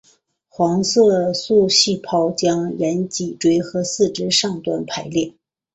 黄色素细胞将沿脊椎和四肢上端排列。